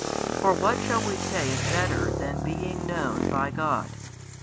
For what shall we say is better than being known by God?